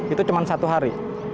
itu cuma satu hari